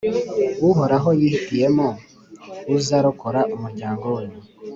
Uhoraho yihitiyemo uzarokora umuryango we